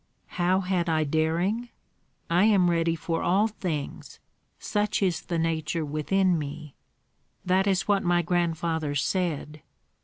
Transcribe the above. "How had I daring? I am ready for all things, such is the nature within me." "That is what my grandfather said.